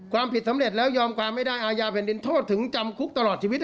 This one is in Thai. ความผิดสำเร็จแล้วยอมความไม่ได้อาญาแผ่นดินโทษถึงจำคุกตลอดชีวิต